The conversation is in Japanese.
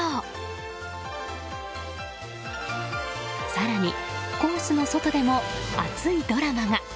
更に、コースの外でも熱いドラマが。